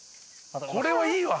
これはいいわ。